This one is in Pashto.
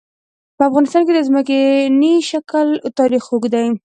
په افغانستان کې د ځمکنی شکل تاریخ اوږد دی.